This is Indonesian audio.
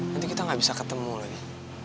nanti kita nggak bisa ketemu lagi